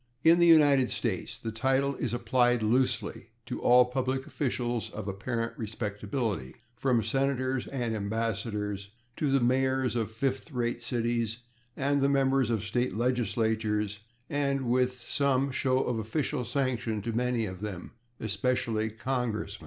In the United States the title is applied loosely to all public officials of apparent respectability, from senators and ambassadors to the mayors of [Pg119] fifth rate cities and the members of state legislatures, and with some show of official sanction to many of them, especially congressmen.